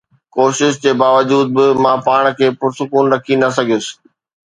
ڪوشش جي باوجود به مان پاڻ کي پرسڪون رکي نه سگهيس.